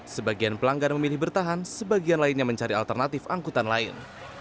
sebagian pelanggar memilih bertahan sebagian lainnya mencari alternatif angkutan lain